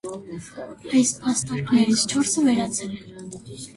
Այս փաստարկներից չորսը վերացել են։